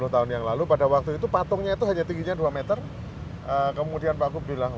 sepuluh tahun yang lalu pada waktu itu patungnya itu hanya tingginya dua meter kemudian pak gup bilang